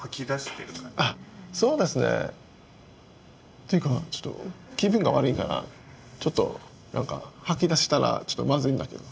っていうかちょっと気分が悪いからちょっと何か吐き出したらまずいんだけど。